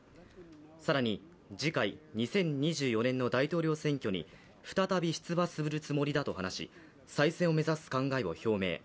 更に、次回２０２４年の大統領選挙に再び出馬するつもりだと話し、再選を目指す考えを表明。